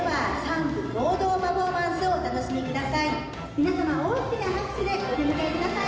皆さま大きな拍手でお出迎えください。